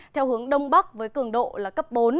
theo hướng đông bắc với cường độ là cấp bốn